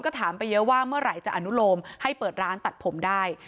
ก็ถามไปเยอะว่าเมื่อไหร่จะอนุโลมให้เปิดร้านตัดผมได้